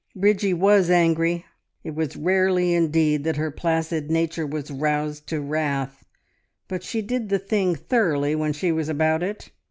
Bridgie was angry. It was rarely indeed that her placid nature was roused to wrath, but she did the thing thoroughly when she was about it.